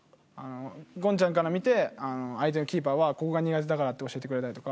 ゴンちゃんから見て相手のキーパーはここが苦手だからって教えてくれたりとか。